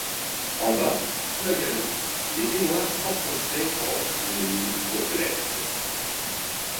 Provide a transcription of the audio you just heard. En bas, sous la galerie, les baignoires s'enfonçaient dans une nuit complète.